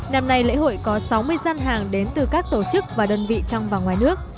năm nay lễ hội có sáu mươi gian hàng đến từ các tổ chức và đơn vị trong và ngoài nước